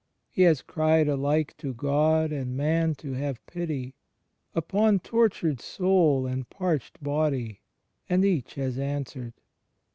He has cried alike to God and man to have pity, upon tortured Soul and parched Body, and each has answered.